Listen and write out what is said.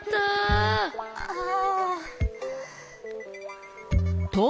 ああ。